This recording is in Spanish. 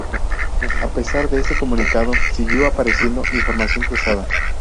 A pesar de este comunicado siguió apareciendo información cruzada.